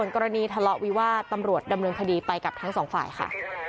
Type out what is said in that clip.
กรณีทะเลาะวิวาสตำรวจดำเนินคดีไปกับทั้งสองฝ่ายค่ะ